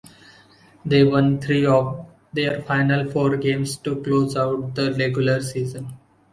They won three of their final four games to close out the regular season.